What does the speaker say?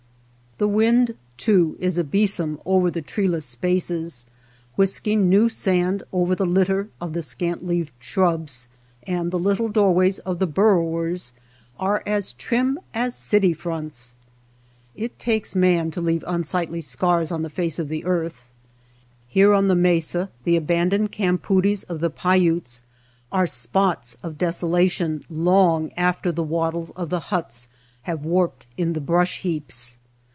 The wind, too, is a besom over the tree less spaces, whisking new sand over the lit ter of the scant leaved shrubs, and the little doorways of the burrowers are as trim as city fronts. It takes man to leave unsightly scars on the face of the earth. Here on the mesa the abandoned campoodies of the Paiutes are spots of desolation long after the wattles of the huts have warped in the brush heaps.